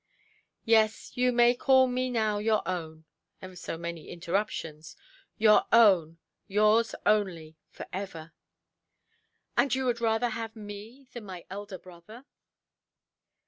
"Yes, you may call me now your own"—ever so many interruptions—"your own; yours only, for ever". "And you would rather have me than my elder brother"?